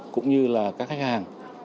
cũng như là các khách hàng